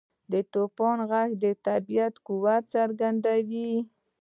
• د توپان ږغ د طبیعت قوت څرګندوي.